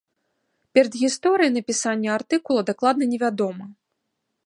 Перадгісторыя напісання артыкула дакладна невядома.